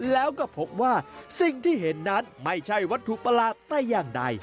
แล้วก็พบว่าสิ่งที่เห็นนั้นไม่ใช่วัตถุประหลาดแต่อย่างใด